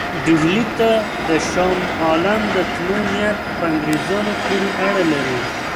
ډهلي ته د شاه عالم د تللو نیت په انګرېزانو پورې اړه لري.